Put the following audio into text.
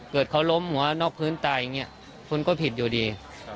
เกิดเขาล้มหัวนอกพื้นตายอย่างนี้คุณก็ผิดอยู่ดี